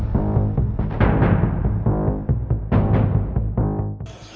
สนุกบังคัย